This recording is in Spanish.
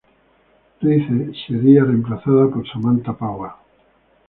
Rice sería remplazada por Samantha Power.